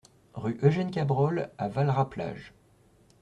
Rue Eugène Cabrol à Valras-Plage